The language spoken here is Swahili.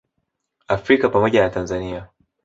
Afrika pamoja na Tanzania